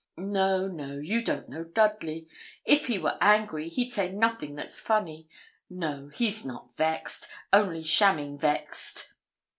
'No, no, you don't know Dudley: if he were angry, he'd say nothing that's funny; no, he's not vexed, only shamming vexed.'